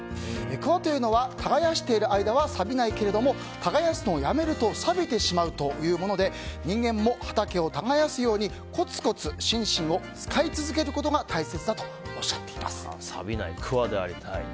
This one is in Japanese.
くわというのは耕している間はさびないけれども耕すのをやめるとさびてしまうというもので人間も畑を耕すようにコツコツ心身を使い続けることがさびないくわでありたい。